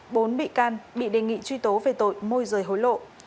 bốn bị can bị đề nghị truy tố về tội môi rời hối lộ